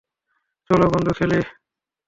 চলো, বন্ধু, খেলি।